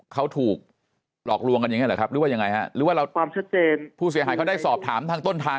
เขาถูกหลอกลวงกันอย่างนี้หรือว่าเรียงไง